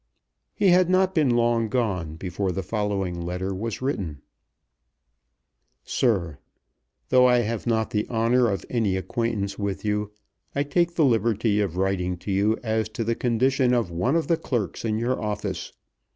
He had not been long gone before the following letter was written; SIR, Though I have not the honour of any acquaintance with you, I take the liberty of writing to you as to the condition of one of the clerks in your office.